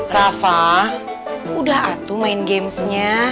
rafa udah atuh main gamesnya